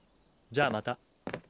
じゃあまた。